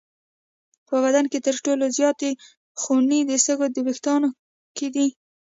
په بدن کې تر ټولو زیات خونې د سږو په وېښتانو کې دي.